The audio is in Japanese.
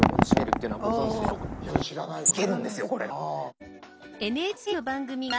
いけるんですよこれが。